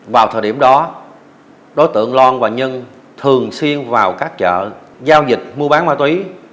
vào thời điểm đó đối tượng loan và nhân thường xuyên vào các chợ giao dịch mua bán ma túy